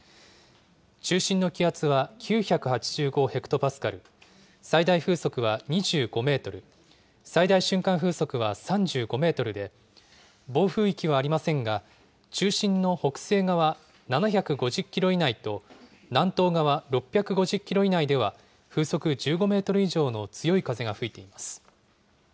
中心の気圧は９８５ヘクトパスカル、最大風速は２５メートル、最大瞬間風速は３５メートルで、暴風域はありませんが、中心の北西側７５０キロ以内と、南東側６５０キロ以内では、風速１５メートル以上の強い風が吹いています。